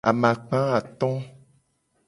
Amakpa ato.